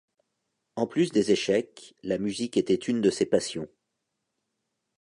En plus des échecs, la musique était une de ses passions.